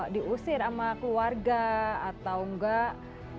diusir sama keluarga atau enggak